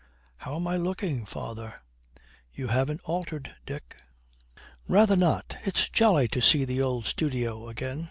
'How am I looking, father?' 'You haven't altered, Dick.' 'Rather not. It's jolly to see the old studio again!'